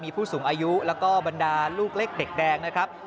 มีผู้สูงอายุแล้วก็บรรดาลูกเล็กเด็กแดงนะครับ